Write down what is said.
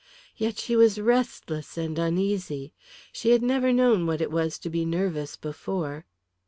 Yet she was restless and uneasy. She had never known what it was to be nervous before.